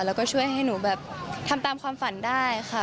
แล้วก็ช่วยให้หนูแบบทำตามความฝันได้ค่ะ